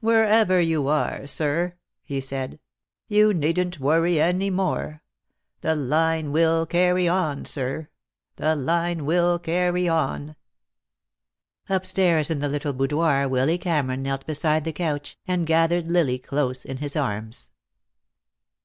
"Wherever you are, sir," he said, "you needn't worry any more. The line will carry on, sir. The line will carry on." Upstairs in the little boudoir Willy Cameron knelt beside the couch, and gathered Lily close in his arms.